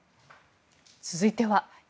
続いては。